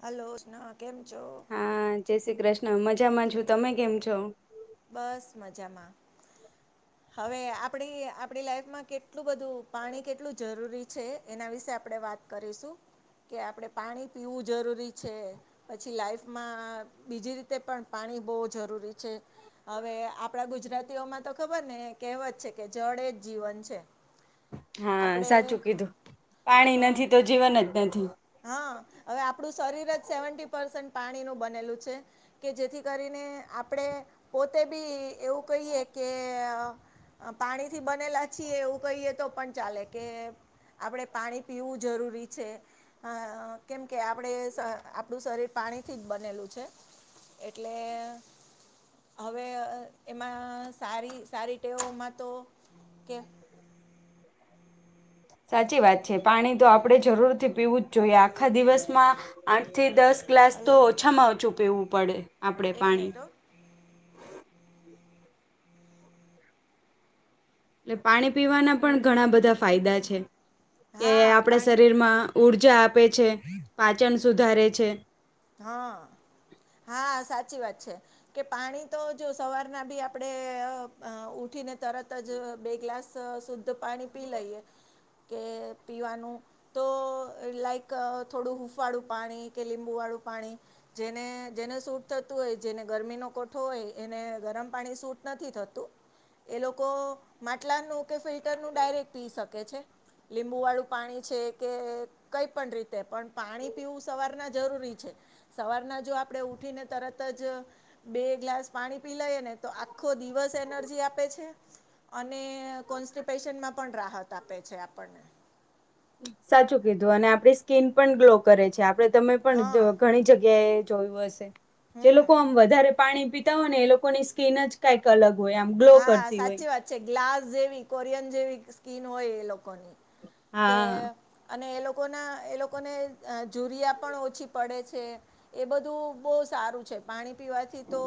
Hello [unintelligible] કેમ છો? હા જય શ્રી કૃષ્ણ મજામાં છું. તમે કેમ છો? બસ મજામાં. હવે આપણી આપણી લાઈફમાં કેટલું બધું પાણી કેટલું જરૂરી છે એના વિશે આપણે વાત કરીશું કે આપણે પાણી પીવું જરૂરી છે. પછી લાાઈફમાં બીજી રીતે પણ પાણી બો જરૂરી છે હવે આપણા ગુજરાતીઓમાં તો ખબ- ખબર ને એક કહેવત છે કે જળ એજ જીવન છે. હા આપણે સાચું કીધું પાણી અ, નથી તો જીવન જ નથી. હા હવે આપણું શરીર જ સેવન્ટી પર્સન્ટ પાણી નું બનેલું છે. કે જેથી કરીને આપણે પોતે બી એવું કહીએ કે અ અ પાણી થી બનેલા છીએ એવું કહીએ તો પણ ચાલે કે આપણે પાણી પીવું જરૂરી છે. હા કેમકે આપણે શ આપણું શરીર પાણીથી જ બનેલું છે. એટલે હવે અ એમાં સારી સારી ટેવોમાં તો કે [unintelligible] સાચી વાત છે પાણી તો આપણે જરૂરથી પીવું જ જોઈએ. આખા દિવસમાં આઠથી દસ ગ્લાસ તો હલો ઓછામાં ઓછું પીવું પડે આપણેે એક પાણી. મિનિટ હો એટલે પાણી પીવાના પણ ઘણા બધા ફાયદા છે. એ હા આપણા પાણી શરીરમાં ઉર્જા આપે છે, પાચન સુધારે છે. હમ હા સાચી વાત છે. કે પાણી તો જો સવારના બી આપણેે ઉઠીને તરત જ બે ગ્લાસ સુ તો પાણી પી લઈએ કે પીવાનું તો લાઈક થોડું હૂંફાળું પાણી કે લીંબુવાળું પાણી. જેને જેને સૂટ થતું હોય જેને ગરમીનો કોઠો હોય એને ગરમ પાણી સૂટ નથી થતું. એ લોકો માટલાનું કે ફિલ્ટરનું ડાયરેક્ટ પી શકે છે. લીંબુવાળું પાણી છે કે કઈ પણ રીતે પણ પાણી પીવું સવારના જરૂરી છે. સવારના જો આપણે ઉઠીને તરત જ બે ગ્લાસ પાણી પી લઈ ને તો આખો દિવસ એનર્જી આપે છે. અને કોન્સ્ટિપેશનમાં પણ રાહત આપે છે આપણને. સાચું કીધું અને આપણી સ્કીન પણ ગ્લો કરે છે. આપણે તમે પણ હા ઘણી જગ્યાએ જોયું હશે. જે હમ લોકો આમ વધારે પાણી પીતા હોય ને એ લોકોની સ્કીન જ કાઈક અલગ હોય, આમ ગ્લો હા કરતી હોય. સાચી વાત છે ગ્લાસ જેવી, કોરિયન જેવી સ્કીન હોય એ લોકોની કે હા અને એ લોકોના એ લોકોને જુરિયા પણ ઓછી પડે છે. એ બધું બહુ સારું છે. પાણી પીવાથી તો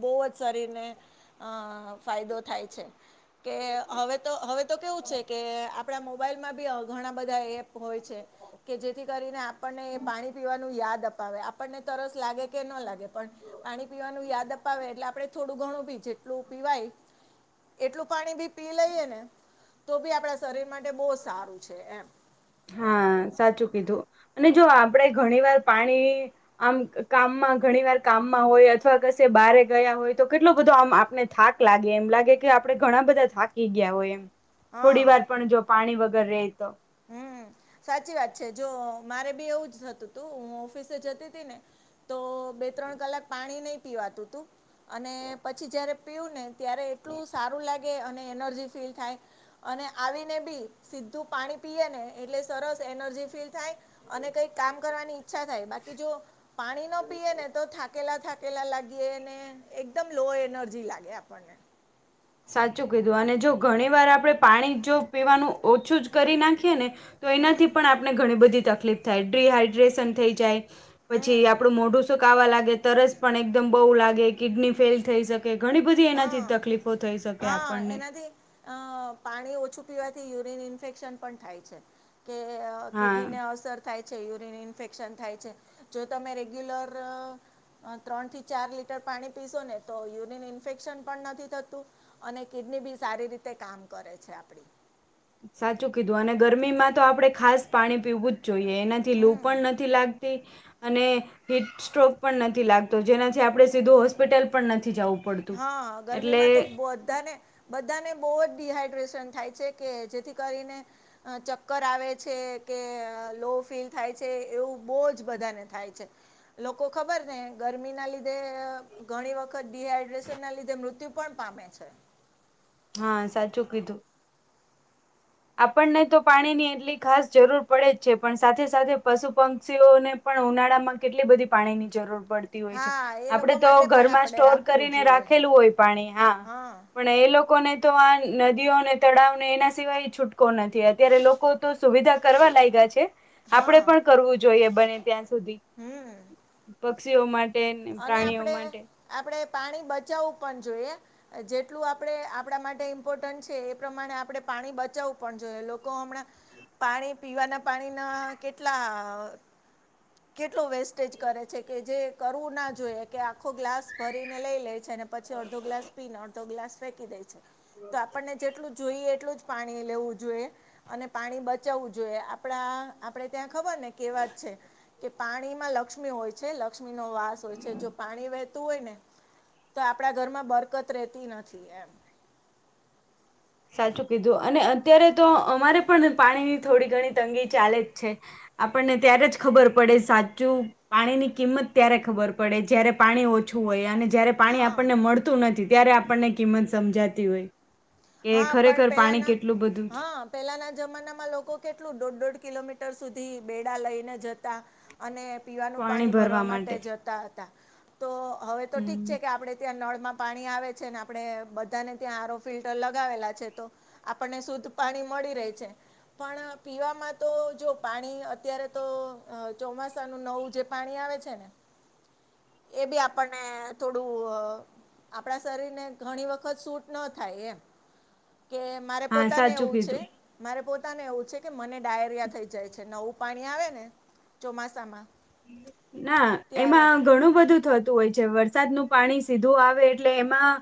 બહુ જ શરીરને અ ફાયદો થાય છે. કે હવે તો હવે તો કેવું છે કે આપ આપણા મોબાઈલમાં બી ઘણા બધા એપ હોય છે કે જેથી કરીને આપણને એ પાણી પીવાનું યાદ અપ આવે આપણને તરસ લાગે કે ન લાગે પણ પાણી પીવાનું યાદ અપાવે એટલે આપણે થોડું ઘણું ભી જેટલું પીવાય એટલું પાણી બી પી લઈએ ને તો બી આપણા શરીર માટે બહુ સારું છે એમ. હા સાચું કીધું. અને જો આપડે ઘણી વાર પાણી આમ કામમાં ઘણી વાર કામમાં હોય અથવા કશે બારે ગયા હોય તો કેટલો બધો આમ આપણે થા ક લાગે એમ લાગે કે આપડે ઘણા બધા થાકી ગયા હોય એમ. થોડી હા વાર પણ જો પાણી વગર રહે તો. હમ સાચી વાત છે જો મારે બી એવું જતું તું હું ઓફિસે જતી હતી ને તો બે ત્રણ કલાક પાણી નહીં પીવાતું તું. અને પછી જ્યારે પીવું ને ત્યારે એટલું સારું લાગ ગે અને એનર્જી ફીલ થાય. અને આવીને બી સીધું પાણી પીએ ને એટલે સરસ એનર્જી ફીલ થાય અને કઈક કામ કરવાની ઈચ્છા થાય. બાકી જો પાણી ન પીએ ને તો થાકેલા થાક કેલા લાગીએ ને એકદમ લો એનર્જી લાગે આપણને. સાચું કીધું. અને જો ઘણી વાર આપણે પાણી જો પીવાનું ઓછું જ કરી નાખીએ ને તો હમ એનાથી પણ આપણે ઘણી બધી તકલીફ થાય. ડિહાઈડ્રેશન થઈ જાય, પછી હમ આપણું મોઢું સુક કાવા લાગે, તરસ પણ એકદમ બહુ લાગે, કિડની ફેલ થઈ શકે, ઘણી બધી એનાથી હા તકલીફ હા એનાથી અ પાણી ઓછું પીવાથી યુરીન ઇન્ફેક્શન પણ થાય છે. કે હા કિડનીને અસર થાય છે યુરિન ઇન્ફેક્શન થાય છે જો તમે રેગ્યુલર ત્રણ થી ચાર લીટર પાણી પીશો ને તો યુરિન ઈન ઇન્ફેક્શન પણ નથી થતું અને કિડની બી સારી રીતે કામ કરે છે આપણી. સાચું કીધું અને ગરમીમાં તો આપણે ખાસ પાણી પીવું જ જોઈએ. એનાથી લૂ હમ પણ નથી લાગતી અને હિટ સ્ટ્રોક પણ નથી લાગતો જેનાથી આપણે સીધું હોસ્પિટલ પણ નથી જાવું હા ગરમીમાં તો બધા ને બધાને બહુ જ ડીહાઈડ્રેશન થાય છે કે જેથી કરીને ચક્કર આવે છે કે લો ફીલ થાય છે એવું બહુ જ બધાને થાય છે. લોકો ખબર ને ગરમી ના લીધે ઘણી વખત ડિહાઈ ડ્રેસન ના લીધે મૃત્યુ પણ પામે છે. હા સાચું કીધું. આપણને તો પાણીની એટલી ખાસ જરૂર પડે જ છે પણ સાથે સાથે પશુ પક્ષીઓને પણ ઉનાળા માં કેટલી બધી પાણી ની જરૂર પડ તી હોય છે. હા એ લોકો આપણે તો માટે પણ ઘરમાં આપણે સ્ટોર રાખવું કરીને જોઈએ રાખેલું હોય પાણી હા પણ એ લોકોને તો આ નદીઓને તળાવને એના સિવાય છૂટકો નથી અત્યારે લોકો તો સુવિધા કરવા લાગયા છે આપણે હા પણ કરવું જોઈએ બને ત્યાં સુધી હમ પક્ષીઓ મા અને આપણે આપણેે પાણી બચાવું પણ જોઈએ. જેટલું આપણે આપણા માટે ઇમ્પોર્ટન્ટ છે એ પ્રમાણે આપણે પાણી બચાવવું પણ જોઈએ લોકો હમણાં પાણી પીવાના પાણીના કેટલા કેટલો વેસ્ટેજ કરે છે કે જે કરવું ના જોઈએ કે આખો ગ્લાસ ભરીને લઈ લે છેને અને પછી અડધો ગ્લાસ પીને અડધો ગ્લાસ ફેંકી દે છે. તો આપણને જેટલું જોઈએ એટલું જ પાણી લેવું જોઈએ. અને પાણી બચાવવું જોઈએ. આપણા આપણેે ત્યાં ખબર ને કહેવત છે. કે પાણીમાં લક્ષ્મી હોય છે, લક્ષ્મી નો વાસ હોય છે, જો પાણી વહેતું હોય ને તો આપણા ઘરમાં બરકત રહેતી નથી એમ. સાચું કીધું અને અત્યારે તો અમારે પણ પાણીની થોડી ઘણી તંગી ચાલે જ છે. આપણને ત્યારે જ ખબર પડે સાચું. પાણીની કિંમત ત્યારે ખબર પડે જ્યારે પાણી ઓ ઓછું હોય અને જ્યારે પાણી હા આપણને મળતું નથી ત્યારે આપણને કિંમત સમજાતી હોય. કે હા પણ ખરેખર પાણી પેલાના કેટલું બધું છે હા. પહેલાંના જમાનામાં લોકો કેટલું દોઢ દોઢ કિલોમીટર સુધી બેડા લઈને જતા. અને પીવાનું પાણી ભરવા માટે જતા હતા તો હવે તો હમ ઠીક છે કે આપડે ત્યાં નળ માં પાણી આવે છે ને આપણે બધાને ત્યાં આરો ફિલ ટર લગાવેલા છે તો આપણને શુદ્ધ પાણી મળી રે છે. પણ પીવામાં તો જો પાણી અત્યારે તો ચોમાસાનું નવું જે પાણી આવે છે ને એ ભી આપણને થોડું અ આપડા શરીરને ઘણી વખત સૂટ ન થાય એમ. કે મારે હા પોતાને સાચું એવું છે. કીધું મારે પોતાને એવું છે કે મને ડાયેરિયા થઈ જાય છે નવું પાણી આવે ને ચોમાસામાં. ના ત્યારે એમા ઘણું બધું થત તું હોય છે વરસાદનું પાણી સીધું આવે એટલે એમાં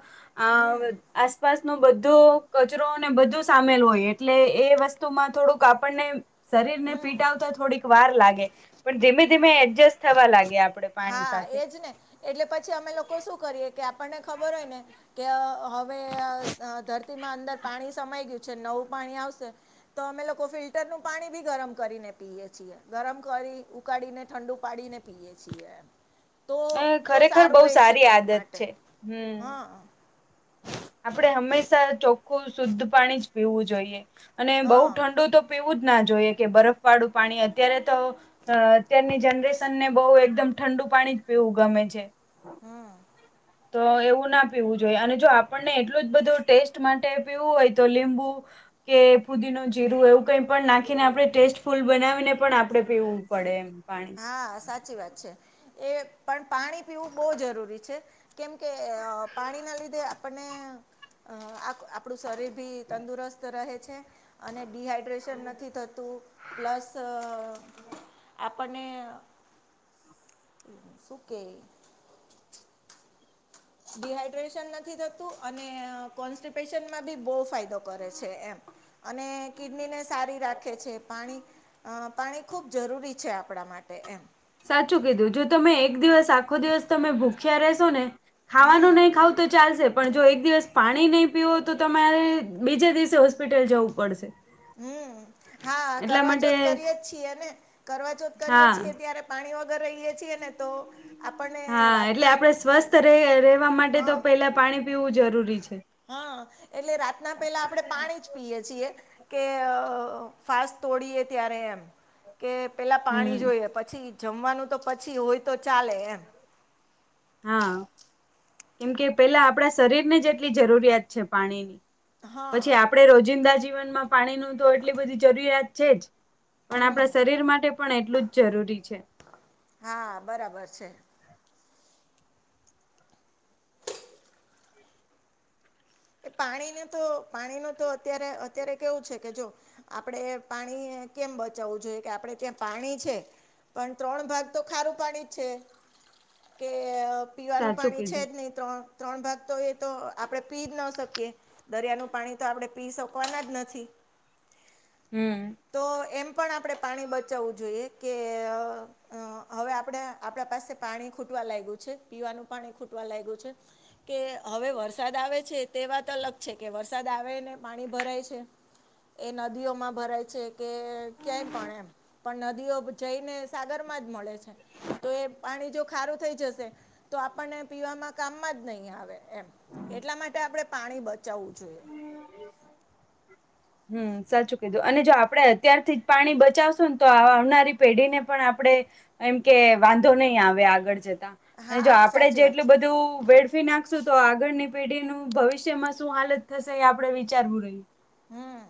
હમ આ આસપાસ નું બધું કચરો ને બધું સામીલ હોય એટલે એ વસ્તુમાં થોડુંક આપણને શરીર ને હમ ફીટ આવતા થોડીક વાર લાગે પણ ધીમે ધીમે એડજસ્ટ થવા લાગે આપ. હા એજ ને એટલે પછી અમે લોકો શું કરીએ કે આપણને ખબર હોય ને કે હવે અ ધરતીમાં અંદર પાણી સમાઈ ગયું છે ને નવું પાણી આવશે તો અમે લોકો ફિલ્ટરનું પાણી ભી ગરમ કરીને પીએ છીએ. ગરમ કરી, ઉકાળીને, ઠંડુ પાડીને પીયેએ છીએ એમ. તો એ તો ખરેખર સારું બહુ રહે છે સારી પેટ આદત માટે એટલે હ. આપડે હંમેશા ચોખ્ખું ન શુદ્ધ પાણી જ પીવું જોઈએ અને બવ હા ઠંડુ તો પીવું જ ના જોઈએ કે બરફ વાળું પાણી અત્યારે તો અ, અત્યારની જનરેશન ને બહુ એકદમ ઠંડુ પાણી જ પીવું ગમે છે. હમ્મ. તો એવું ના પીવું જોઈએ અને જો આપણને એટલું જ બધું ટેસ્ટ માટે પીવું હોય તો લીંબુ કે ફુદીનૉ, જીરું એવું કઈ પણ નાખ ખીને આપડે ટેસ્ટ ફૂલ બનાવીને પણ આપડે પીવું પડે એમ પાણી. આ, સાચી વાત છે એ પણ પાણી પીવું બહુ જરૂરી છે. કેમ કે પાણીના લીધે આપણને અ આપણું શરીર ભી તંદુરસ્ત રહે છે. અને ડિહાઈડ્રેશન નથી થતું પ્લસ આપણને, શું કેય ડિહાઈડ્રેશન નથી થતું અને કોન્સ્ટિપેશનમાં ભી બહુ ફાયદો કરે છે એમ. અને કિડની ને સારી રાખે છે પાણી અ પાણી ખૂબ જરૂરી છે આપણા માટે એમ. સાચું કીધું જો તમે એક દિવસ આખો દિવસ તમે ભૂખ્યા રહેશો ને હમ ખાવાનું નહિ ખાવ તો ચાલશે પણ જો એક દિવસ પાણી નહી પીવો તો તમારે બીજા દિવસે હોસ્પિટલ જવું પડશે. હમ્મ, હા એટલા માટે કરવાચોથ કરીએે છીએ ને કરવાચોથ કરીએ હા છીએ ત્યારે પાણી વગર રહીએ. છીએ ને તો આપણને હા, એટલે રાતના આપડે સ્વસ્થ રે રહેવા માટે તો હા પહેલા પાણી પીવું જરૂરી છે. હા, એટલે રાતના પહેલા આપડે પાણી જ પીયે છીએ. કે ફાસ તોડીએ ત્યારે એમ. કે પહેલાં હમ પાણી જોઈએ પછી જમવાનું તો પછી હોય તો ચાલે એમ. હા, કેમ કે પહેલા આપડા શરીરને જેટલી જરૂરિયાત છે પાણીની. હા પછી આપડે રોજિંદા જીવનમાં પાણીનું તો એટલી બધી જરૂરિયાત છે જ. પણ હમ આપણા શરીર માટે પણ એટલું જ જરૂરી છે. હા, બરાબર છે. એ પાણીને તો પાણીનું તો અત્યારે, અત્યારે કેવું છે કે જો આપડે પાણી કેમ બચાવવું જોઈએ કે આપડે ત્યાં પાણી છે. પણ ત્રણ ભાગ તો ખારું પાણી જ છે કે પીવાનું સાચું પાણી છે કીધું જ નહીં ત્રણ ત્રણ ભાગ તો એ તો આપણે પી ન શકીએ દરિયાનું પાણી તો આપણે પી શકવાના જ નથી. હમ્મ. તો એમ પણ આપણે પાણી બચાવવું જોઈએ કે અ હવે આપણેે આપણા પાસે પાણી ખૂટવા લાગ્યું છે પીવાનું પાણી ખૂટવા લાગ્યું છે. કે હવે વરસાદ આવે. છે તે વાત અલગ છે કે વરસાદ આવે ને પાણી ભરાય છે. એ નદીઓમાં ભરાય છે કે ક્યાય પણ એમ પણ ન દીઓ જઈને સાગર માં જ મળે છે. તો એ પાણી જો ખારું થઈ જશે તો આપણને પીવામાં કામમાં જ નહીં આવે. એમ એટલા માટે આપણે પાણી બચાવવું જોઈએ. હમ્મ, સાચું કીધું અને જો આપડણે અત્યારથી જ પાણી બચાવશું ને તો આવનારી પેઢીને પણ આપડણે એમ કે વાંધો નહી આવે આગળ જતા અને જો હા આપણેે સાચી વાત જેટલું છે બધું વેડ ફી નાખશું તો આગળની પેઢીનું ભવિષ્યમાં શું હાલત થશે એ આપડણે વિચારવું રહ્યું. હમ્મ.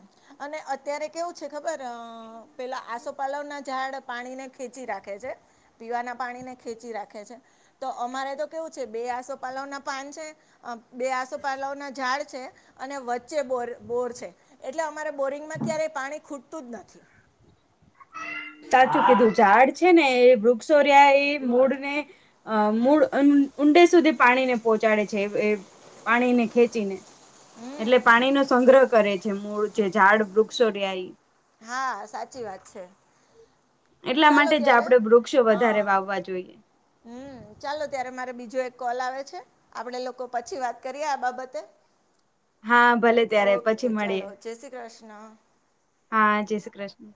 અને અત્યારે કેવું છે ખબર અઅઅ પેલા આસોપાલવના ઝાડ પાણીને ખેંચી રાખે છે. પીવાના પાણીને ખેંચી રાખે છે તો અમારે તો કેવું છે બે આસોપાલવ ના પાન છે અ બે આસોપાલવ ના ઝાડ છે અને વચ્ચે બોર બોર છે એટલે અમારે બોરિંગમાં ક્યારે પાણી ખૂટતું જ નથી. સાચું કીધું ઝાડ છે એ વૃક્ષો રહ્યાં એ મૂળને અ મૂળ ઊં ઊંડે સુધી પાણીને પહોચાડે છે એ એ પાણીને ખેંચીને. હમ્મ. એટલે પાણીનો સંગ્રહ કરે છે મૂળ જે ઝાડ, વૃક્ષો રહ્યા એ હા, સાચી વાત છે. એટલા ચાલો માટે જ ત્યારે આપડણેે વૃક્ષો વધારે વાવવા જોઈએ. હમ્મ, ચાલો ત્યારે મારે બીજો એક કોલ આવે છે આપણે લોકો પછી વાત કરીએ આ બાબતે. હા ભલે ત્યારે ઓકે પછી મળીએ ચાલો, જય શ્રી કૃષ્ણ! હા, જય શ્રી કૃષ્ણ!